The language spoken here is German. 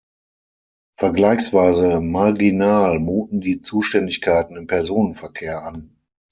Vergleichsweise marginal muten die Zuständigkeiten im Personenverkehr an.